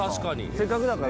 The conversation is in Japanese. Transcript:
せっかくだから。